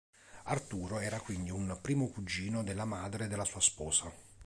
Arturo era quindi un primo cugino della madre della sua sposa.